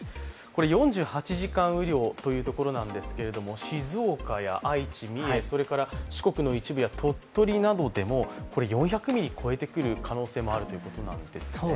４８時間雨量というところなんですけれども静岡や愛知、三重それから四国の一部や鳥取などでも４００ミリを超えてくる可能性があるんですね？